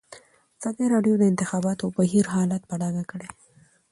ازادي راډیو د د انتخاباتو بهیر حالت په ډاګه کړی.